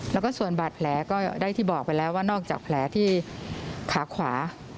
แล้วก็ส่วนบาดแผลก็ได้ที่บอกไปแล้วว่านอกจากแผลที่ขาขวา